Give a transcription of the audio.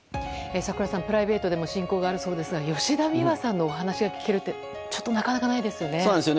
櫻井さん、プライベートでも親交があるそうですが吉田美和さんのお話が聞けるってなかなかないですよね。